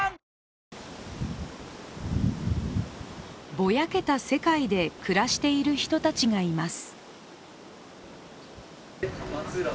ぼやけた世界で暮らしている人たちがいます。